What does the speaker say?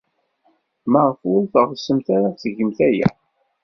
Maɣef ur teɣsemt ara ad tgemt aya?